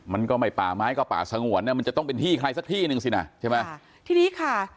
มันก็ไม่ป่าไม้ก็ป่าสงวนเนี่ยมันจะต้องเป็นที่ใครสักที่หนึ่งสินะใช่ไหมทีนี้ค่ะ